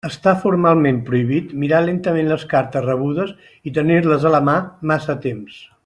Està formalment prohibit mirar lentament les cartes rebudes i tenir-les a la mà massa temps.